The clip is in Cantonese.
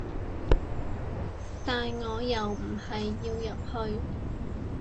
但我又唔係要入去